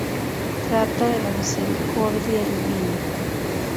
Trata de la misericordia divina.